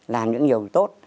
làm những điều tốt